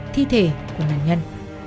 thi thể của nạn nhân